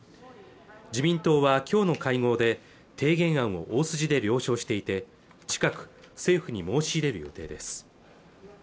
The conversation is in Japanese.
自民党はきょうの会合で提言案を大筋で了承していて近く政府に申し入れる予定です